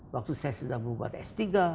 waktu saya sedang berubat s tiga